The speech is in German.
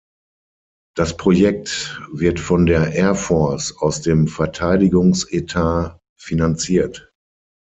Das Projekt wird von der Air Force aus dem Verteidigungsetat finanziert.